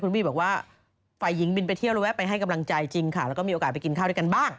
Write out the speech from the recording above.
บี้บอกว่าฝ่ายหญิงบินไปเที่ยวแล้วแวะไปให้กำลังใจจริงค่ะแล้วก็มีโอกาสไปกินข้าวด้วยกันบ้าง